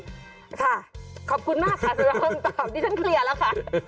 ขอบคุณมากค่ะสำหรับคำตอบดิฉันเคลียร์แล้วค่ะ